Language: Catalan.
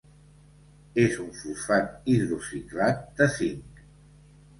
És un fosfat hidroxilat de zinc.